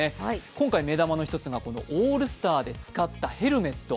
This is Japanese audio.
今回、目玉の１つがオールスターで使ったヘルメット。